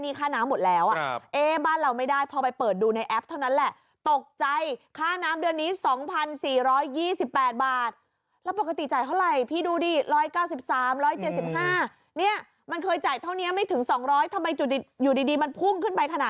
เนี่ยมันไม่มีทางใช้หนึ่งแล้วดูค่าน้ำพี่มันพุ่มขึ้นมา